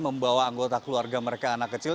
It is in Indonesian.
membawa anggota keluarga mereka anak kecil